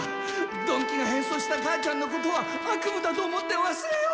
曇鬼が変装した母ちゃんのことは悪夢だと思ってわすれよう！